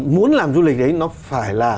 muốn làm du lịch đấy nó phải là